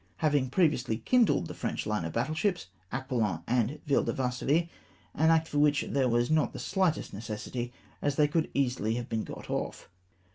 weigh, having previously kindled the French Hne of battle sliips Aquilon and Ville de Varsovie ; an act for which there was not tlie shghtest necessity, as they could easily have been got off.